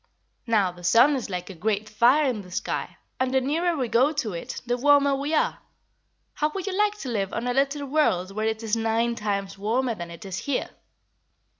Now, the sun is like a great fire in the sky, and the nearer we go to it the warmer we are. How would you like to live on a little world where it is nine times warmer than it is here?"